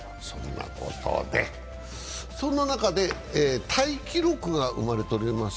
そんな中でタイ記録が生まれております。